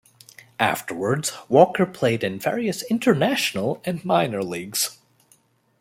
Afterwards, Walker played in various international and minor leagues.